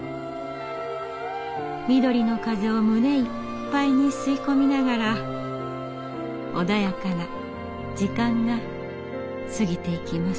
緑の風を胸いっぱいに吸い込みながら穏やかな時間が過ぎていきます。